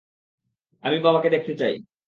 আমি বাবাকে দেখতে চাই।